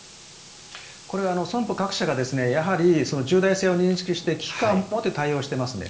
これ、損保各社がやはり重大性を認識して危機感を持って対応していますね。